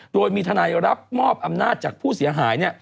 โดยมีทนายรับมอบอำนาจจากผู้เสียหาย